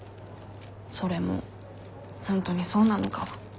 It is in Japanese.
それも本当にそうなのかは。